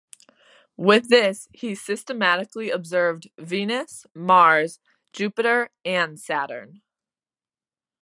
With this he systematically observed Venus, Mars, Jupiter and Saturn.